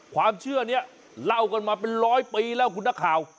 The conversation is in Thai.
ความเชื่อนี้เล่ากันมาเป็นร้อยปีแล้วคุณนักข่าว